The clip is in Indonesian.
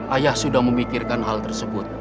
ayah sudah memikirkan hal tersebut